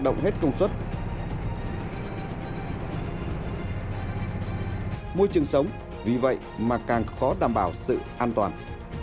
môi trường sống vì vậy mà càng khó đảm bảo sự an toàn